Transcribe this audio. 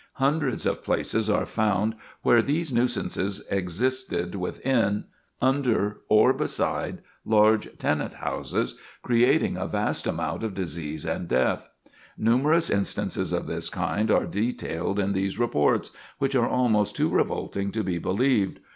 Hundreds of places were found where these nuisances existed within, under or beside large tenant houses, creating a vast amount of disease and death. Numerous instances of this kind are detailed in these reports, which are almost too revolting to be believed.